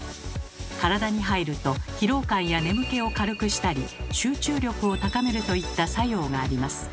体に入ると疲労感や眠気を軽くしたり集中力を高めるといった作用があります。